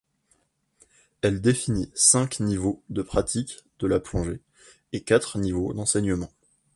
Elle définit cinq niveaux de pratique de la plongée et quatre niveaux d'enseignement.